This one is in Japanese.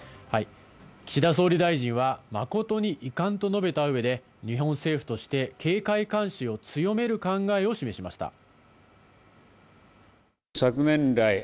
岸田総理大臣は誠に遺憾と述べた上で、日本政府として警戒監視を強める考えを示しました。